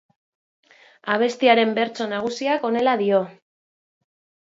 Abestiaren bertso nagusiak honela dio.